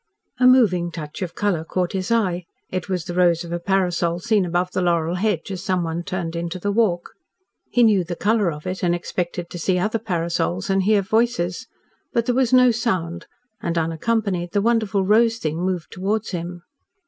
..... A moving touch of colour caught his eye. It was the rose of a parasol seen above the laurel hedge, as someone turned into the walk. He knew the colour of it and expected to see other parasols and hear voices. But there was no sound, and unaccompanied, the wonderful rose thing moved towards him.